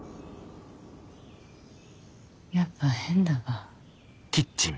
やっぱ変だわ。